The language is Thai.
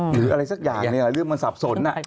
หรืออะไรสักอย่างเนี่ยเรื่องมันสับสน